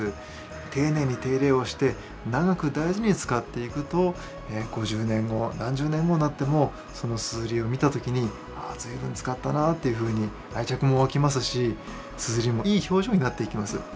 丁寧に手入れをして長く大事に使っていくと５０年後何十年後になってもその硯を見た時に「あ随分使ったな」というふうに愛着も湧きますし硯もいい表情になっていきます。